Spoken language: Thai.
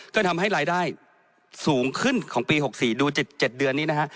ก็ทำให้รายได้สูงขึ้นของปี๖๔ดู๗เดือนนี้นะฮะ